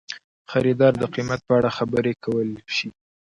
خریدار د قیمت په اړه خبرې کولی شي.